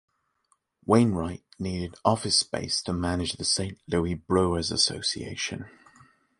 Wainwright needed office space to manage the Saint Louis Brewers Association.